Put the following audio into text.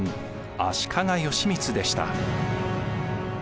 足利義満でした。